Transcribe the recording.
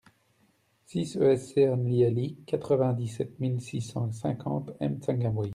six eSC ANLI HELI, quatre-vingt-dix-sept mille six cent cinquante M'Tsangamouji